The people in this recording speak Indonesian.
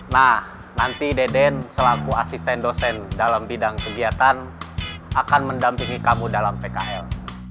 nah nanti deden selaku asisten dosen dalam bidang kegiatan akan mendampingi kamu dalam pkl